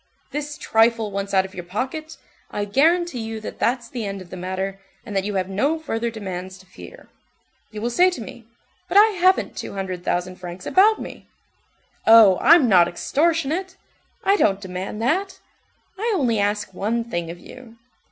This trifle once out of your pocket, I guarantee you that that's the end of the matter, and that you have no further demands to fear. You will say to me: 'But I haven't two hundred thousand francs about me.' Oh! I'm not extortionate. I don't demand that. I only ask one thing of you.